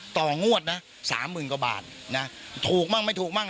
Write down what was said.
ต่องวดนะ๓๐๐๐๐กว่าบาทนะถูกบ้างไม่ถูกบ้าง